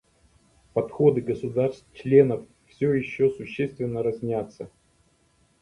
Подходы государств-членов все еще существенно разнятся.